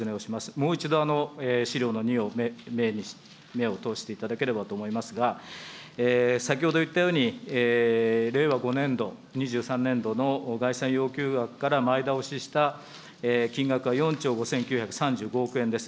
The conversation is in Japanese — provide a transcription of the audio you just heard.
もう一度、資料の２を、目を通していただければと思いますが、先ほど言ったように、令和５年度・２３年度の概算要求額から前倒しした金額は４兆５９３５億円です。